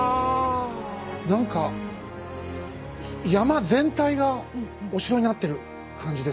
何か山全体がお城になってる感じですね。